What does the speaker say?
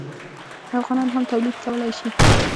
افغانان هم تولید کولی شي.